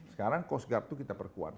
sekarang coast guard itu kita perkuat